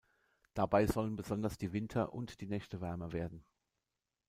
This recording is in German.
Dabei sollen besonders die Winter und die Nächte wärmer werden.